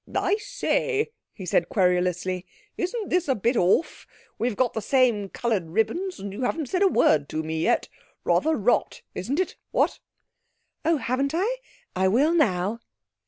'I say,' he said querulously, 'isn't this a bit off? We've got the same coloured ribbons and you haven't said a word to me yet! Rather rot, isn't it, what?' 'Oh, haven't I? I will now.'